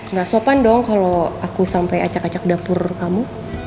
nggak sopan dong kalau aku sampai acak acak dapur kamu